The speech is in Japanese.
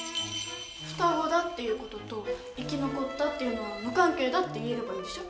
双子だっていう事と生き残ったっていうのは無関係だって言えればいいんでしょ？